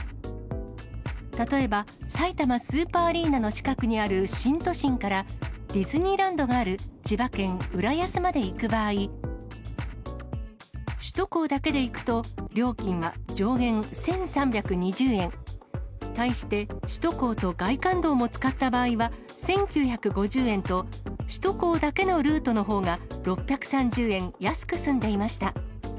例えば、さいたまスーパーアリーナの近くにある新都心から、ディズニーランドがある千葉県浦安まで行く場合、首都高だけで行くと、料金は上限１３２０円、対して首都高と外環道も使った場合は１９５０円と、首都高だけのルートのほうが６３０円安く済んでいました。